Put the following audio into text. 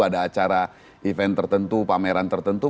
ada acara event tertentu pameran tertentu